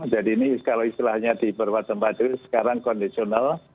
jadi ini kalau istilahnya diperwatam padu sekarang kondisional